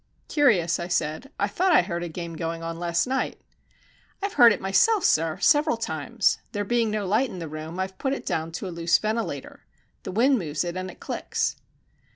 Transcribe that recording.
"Curious," I said. "I thought I heard a game going on last night." "I've heard it myself, sir, several times. There being no light in the room, I've put it down to a loose ventilator. The wind moves it and it clicks."